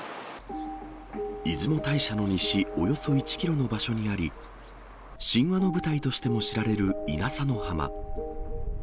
出雲大社の西およそ１キロの場所にあり、神話の舞台としても知られる稲佐の浜。